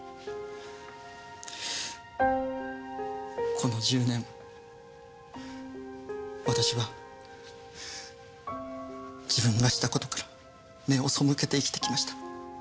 この１０年私は自分がした事から目を背けて生きてきました。